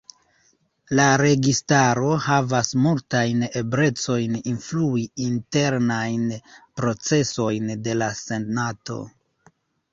La registaro havas multajn eblecojn influi internajn procesojn de la senato.